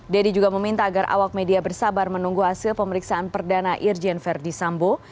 deddy juga meminta agar awak media bersabar menunggu hasil pemeriksaan perdana irjen verdi sambo